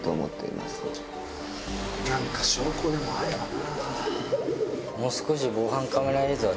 何か証拠でもあればな。